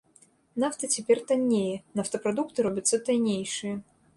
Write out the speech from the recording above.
Нафта цяпер таннее, нафтапрадукты робяцца таннейшыя.